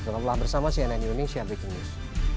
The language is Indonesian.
selamat malam bersama cnn indonesia breaking news